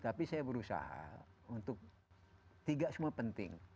tapi saya berusaha untuk tiga semua penting